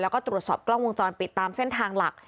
แล้วก็ตรวจสอบกล้องวงจรปิดตามเส้นทางหลัก